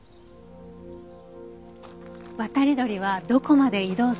渡り鳥はどこまで移動するのか